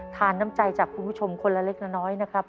น้ำใจจากคุณผู้ชมคนละเล็กละน้อยนะครับ